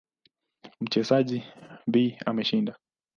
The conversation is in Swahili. Mchezaji B ameshinda.